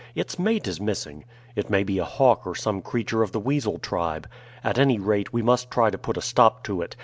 Its mate is missing. It may be a hawk or some creature of the weasel tribe. At any rate, we must try to put a stop to it.